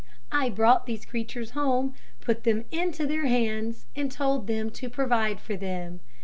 I brought these creatures home, put them into their hands, and told them to provide for them.